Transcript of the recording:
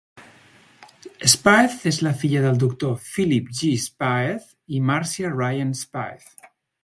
Spaeth és la filla del doctor Philip G. Spaeth i Marcia Ryan Spaeth.